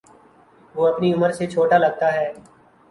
وہ اپنی عمر سے چھوٹا لگتا ہے